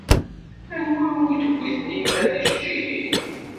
Anwa umi d-tewwi Taninna tijeǧǧigin?